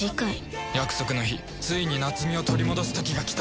約束の日ついに夏美を取り戻す時が来た！